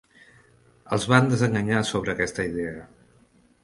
Els van desenganyar sobre aquesta idea.